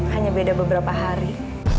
hanya beda beberapa hari